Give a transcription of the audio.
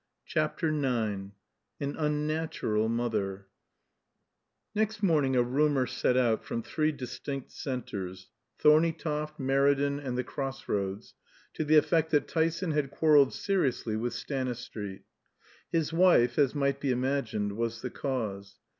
CHAPTER IX AN UNNATURAL MOTHER Next morning a rumor set out from three distinct centers, Thorneytoft, Meriden, and "The Cross Roads," to the effect that Tyson had quarreled seriously with Stanistreet. His wife, as might be imagined, was the cause.